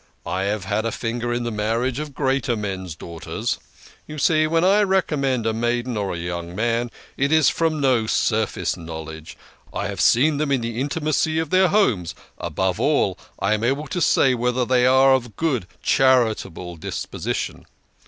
I have had a finger in the marriage of greater men's daughters. You see, when I recommend a maiden THE KING OF SCHNORRERS. 51 or a young man it is from no surface knowledge. I have seen them in the intimacy of their homes above all I am able to say whether they are of a good, charitable disposition.